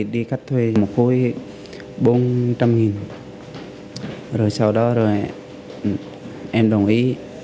đi cách thuê một khối bốn trăm linh rồi sau đó rồi em đồng ý